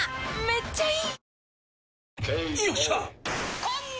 めっちゃいい！